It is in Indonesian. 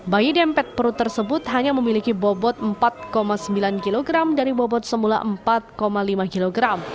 bayi dempet perut tersebut hanya memiliki bobot empat sembilan kg dari bobot semula empat lima kg